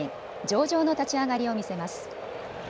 上々の立ち上がりを見せます。